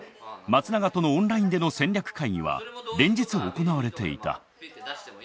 松永とのオンラインでの戦略会議は連日行われていた。